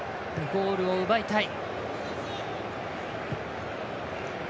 ゴールを奪いたい。